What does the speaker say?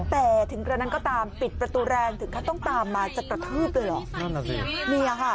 แต่ถึงกรณานก็ตามปิดประตูแรงถึงเขาต้องตามมาจะกระทืบหรือ